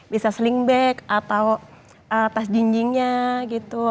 bisa sling bag atau tas jinjingnya gitu